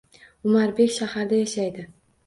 Umarbek shaharda yashaydi